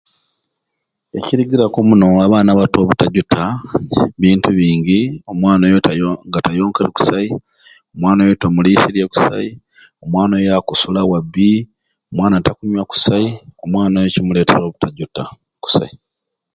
Ekirigiraku omuno abaana abato obutajuta bintu bingi omwana oyo tayo nga tayonkere kusai omwana oyo tomuliisirye kusai omwana oyo akusila wabbi omwana takunywa kusai omwana oyo kimuleetera obutajuta kusai.